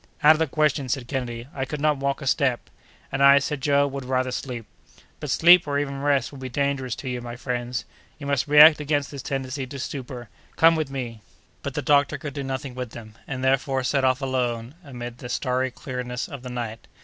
"Out of the question!" said Kennedy; "I could not walk a step." "And I," said Joe, "would rather sleep!" "But sleep, or even rest, would be dangerous to you, my friends; you must react against this tendency to stupor. Come with me!" But the doctor could do nothing with them, and, therefore, set off alone, amid the starry clearness of the night.